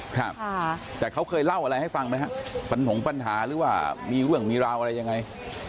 ครับค่ะแต่เขาเคยเล่าอะไรให้ฟังไหมฮะปัญหาหรือว่ามีเรื่องมีราวอะไรยังไง